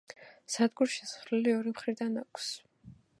სადგურს შესასვლელი ორი მხრიდან აქვს.